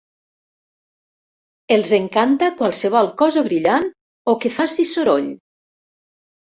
Els encanta qualsevol cosa brillant o que faci soroll.